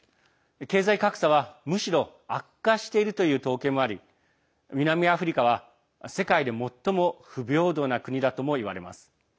経済格差は、むしろ悪化しているという統計もあり南アフリカは、世界で最も不平等な国だともいわれます。